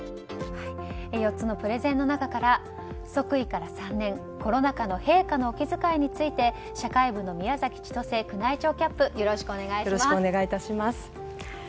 ４つのプレゼンの中から即位から３年コロナ禍の陛下のお気遣いについて社会部の宮崎千歳宮内庁キャップよろしくお願いします。